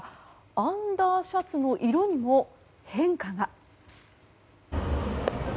アンダーシャツの色にも変化が。